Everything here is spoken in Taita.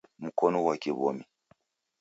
Mkonu ghwa kiw'omi